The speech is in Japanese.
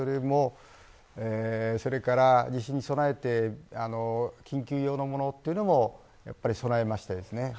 それから地震に備えて緊急用のものというのを備えました。